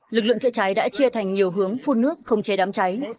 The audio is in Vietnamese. lực lượng chữa cháy đã chia thành nhiều hướng phun nước không chế đám cháy